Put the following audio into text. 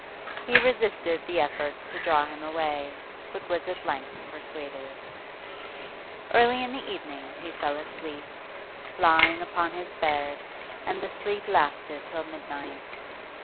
He resisted the efforts to draw him away, but was at length persuaded. Early in the evening he fell asleep, lying dressed upon his bed, and the sleep lasted till midnight.